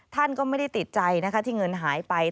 ท่านก็ไม่ได้ติดใจนะคะที่เงินหายไป